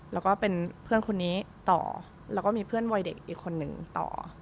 แล้วก็เป็นเพื่อนคนนี้ต่อแล้วก็มีเพื่อนวัยเด็กอีกคนนึงต่อ